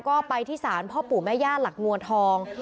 ก็ไปที่ศาลพ่อปู่แม่ย่าหลักมวลทอง